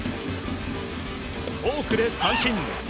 フォークで三振。